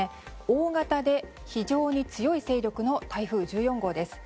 大型で非常に強い勢力の台風１４号です。